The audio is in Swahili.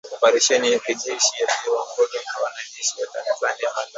oparesheni ya kijeshi yaliyoongozwa na wanajeshi wa Tanzania Malawi